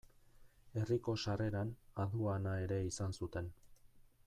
Herriko sarreran aduana ere izan zuten.